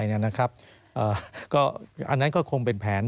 อันนั้นก็คงเป็นแผน